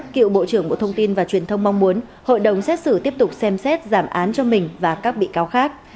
cựu bộ trưởng bộ thông tin và truyền thông mong muốn hội đồng xét xử tiếp tục xem xét giảm án cho mình và các bị cáo khác